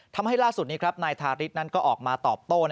ทำให้ล่าสุดนี้ครับนายทาริสนั้นก็ออกมาตอบโต้